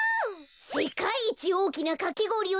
せかいいちおおきなかきごおりをつくろうよ。